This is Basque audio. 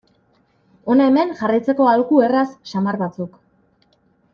Hona hemen jarraitzeko aholku erraz samar batzuk.